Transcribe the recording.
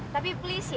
tapi please ya